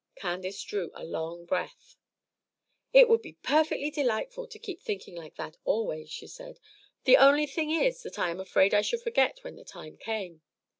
Candace drew a long breath. "It would be perfectly delightful to keep thinking like that always," she said; "the only thing is that I am afraid I should forget when the time came.